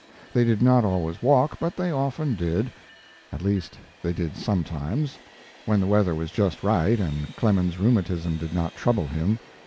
They did not always walk, but they often did. At least they did sometimes, when the weather was just right and Clemens's rheumatism did not trouble him.